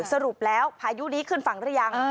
สรุปแล้วพายุนี้ขึ้นฝั่งหรือยัง